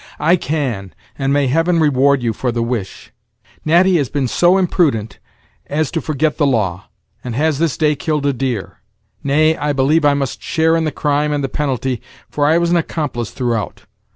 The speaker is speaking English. "I can, and may Heaven reward you for the wish, Natty has been so imprudent as to for get the law, and has this day killed a deer. Nay, I believe I must share in the crime and the penalty, for I was an accomplice throughout.